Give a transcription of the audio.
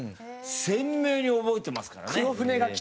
鮮明に覚えてますからね。